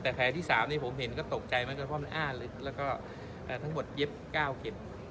แต่แผลที่สามเนี่ยผมเห็นก็ตกใจมันก็ความอ้าลึกแล้วก็ทั้งหมดเย็บก้าวเข็บ